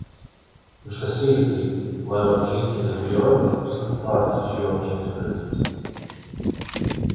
The facility, while located at York, is not part of York University.